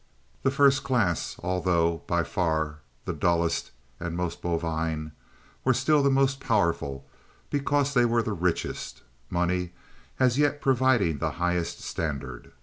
The first class, although by far the dullest and most bovine, was still the most powerful because they were the richest, money as yet providing the highest standard.